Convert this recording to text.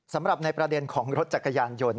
สำหรับในประเด็นของรถจักรยานยนต์